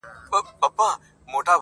رضا ئې که، ملا ئې ور ماته که.